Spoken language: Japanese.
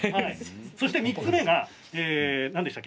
そして３つ目が何でしたっけ？